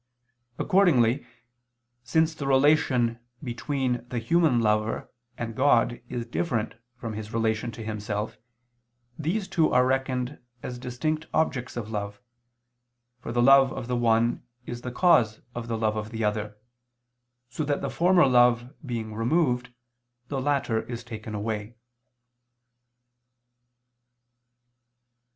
Accordingly, since the relation between the human lover and God is different from his relation to himself, these two are reckoned as distinct objects of love, for the love of the one is the cause of the love of the other, so that the former love being removed the latter is taken away.